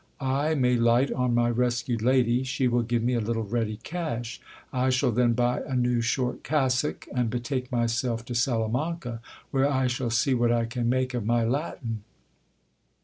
I may light on my rescued lady ; she will give me a little ready cash : I shall then buy a new short cassock, and betake myself to Salamanca, where I shall see what I can make of my Latin.